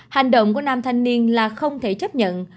hành động của nam thanh niên là không thể chấp nhận